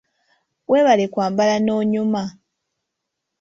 Weebale kwambala n'onyuma.